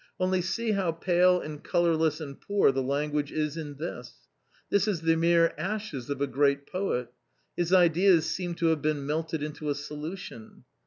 Only see how pale and colourless and poor the language is in this! This is the mere ashes of a great poet ; his ideas seemed to have been melted into a solution.